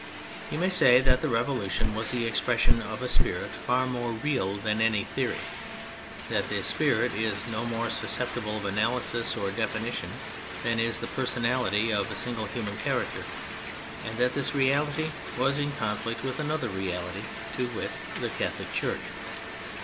You may say that the Revolution was the expression of a spirit far more real than any theory, that this spirit is no more susceptible of analysis or definition than is the personality of a single human character, and that this reality was in conflict with another reality — to wit, the Catholic Church.